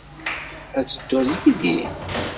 Ad tedduḍ yid-i?